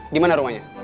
di mana rumahnya